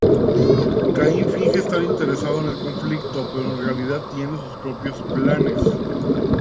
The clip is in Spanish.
Kain finge estar interesado en el conflicto, pero en realidad tiene sus propios planes.